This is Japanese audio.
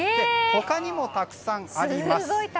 他にもたくさんあります。